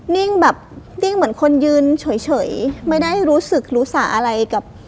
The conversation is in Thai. นิ่งแบบนิ่งเหมือนคนยืนเฉยไม่ได้รู้สึกรู้สาอะไรกับ